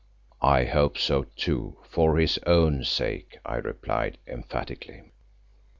"I hope so too, for his own sake," I replied emphatically.